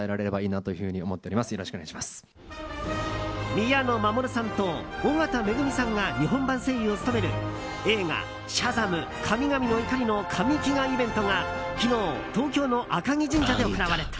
宮野真守さんと緒方恵美さんが日本版声優を務める映画「シャザム！神々の怒り」の“神”祈願イベントが昨日、東京の赤城神社で行われた。